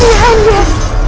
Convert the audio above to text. rai kian santang